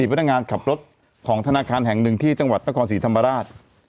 พนักงานขับรถของธนาคารแห่งหนึ่งที่จังหวัดนครศรีธรรมราช